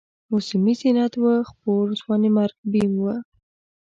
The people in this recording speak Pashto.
موسمي زینت و خپور، ځوانیمرګ بیم و